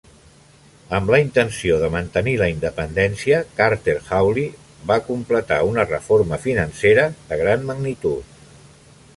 Amb la intenció de mantenir la independència, Carter Hawley va completar una reforma financera de gran magnitud.